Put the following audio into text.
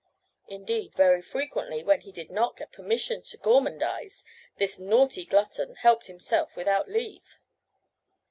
Indeed, very frequently, when he did not get permission to gormandize, this naughty glutton helped himself without leave.